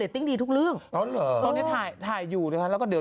หล่อขึ้นเยอะมากเลย